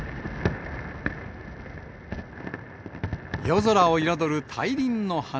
夜空を彩る大輪の花。